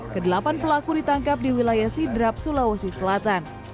ke delapan pelaku ditangkap di wilayah sidrap sulawesi selatan